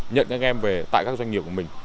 nhận các em về tại các doanh nghiệp của mình